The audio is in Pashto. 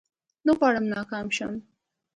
نه غواړم ناکام شم